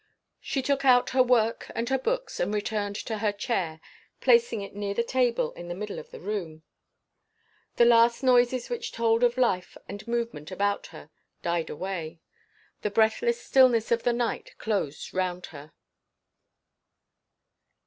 She took out her work and her books; and returned to her chair, placing it near the table, in the middle of the room. The last noises which told of life and movement about her died away. The breathless stillness of the night closed round her.